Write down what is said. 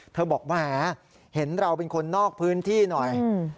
บอกแหมเห็นเราเป็นคนนอกพื้นที่หน่อย